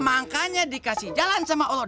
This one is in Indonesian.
makanya dikasih jalan sama allah